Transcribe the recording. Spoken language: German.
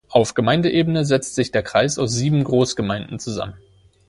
Auf Gemeindeebene setzt sich der Kreis aus sieben Großgemeinden zusammen.